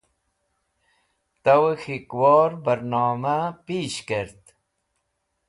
Towey K̃hikwor Barnoma Pish Kert